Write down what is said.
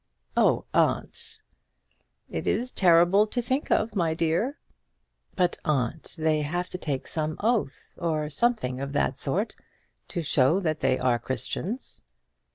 "Oh, aunt!" "It is terrible to think of, my dear." "But, aunt; they have to take some oath, or something of that sort, to show that they are Christians."